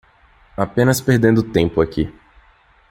Apenas perdendo tempo aqui